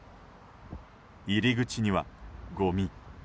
入り口にはごみ。